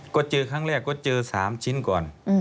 ก็เจอครั้งแรกก็เจอ๓ชิ้นก่อน